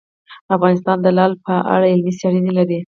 افغانستان د لعل په اړه علمي څېړنې لري.